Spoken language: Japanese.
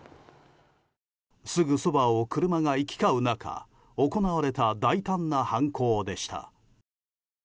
すぐそばを車が行き交う中行われた大胆な犯行でした。